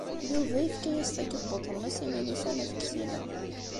Yuba yefka-as takebbuḍt-nnes i Milisa n At Ksila.